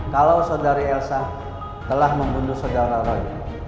kalau saudari elsa telah membunuh saudara roy